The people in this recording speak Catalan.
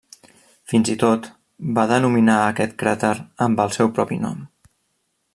Fins i tot va denominar a aquest cràter amb el seu propi nom.